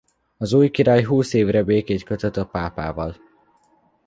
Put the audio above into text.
Az új király húsz évre békét kötött a pápával.